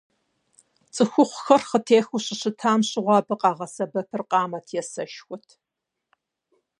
ЦӀыхухъухэр хъытехыу щыщытам щыгъуэ абы къагъэсэбэпыр къамэт е сэшхуэт.